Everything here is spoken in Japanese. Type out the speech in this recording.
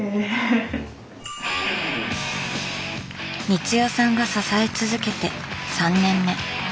光代さんが支え続けて３年目。